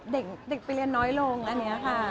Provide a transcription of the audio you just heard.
เด็กพิเศษไปเรียนน้อยลงอันเนี้ยค่ะ